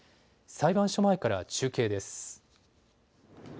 裁判所前から中継です。